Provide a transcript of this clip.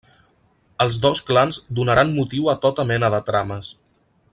Els dos clans donaran motiu a tota mena de trames.